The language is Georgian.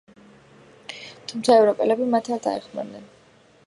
თუმცა ევროპელები მათ არ დაეხმარნენ.